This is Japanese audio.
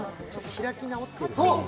開き直ってる。